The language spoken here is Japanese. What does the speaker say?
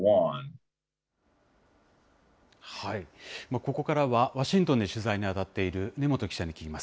ここからはワシントンで取材に当たっている根本記者に聞きます。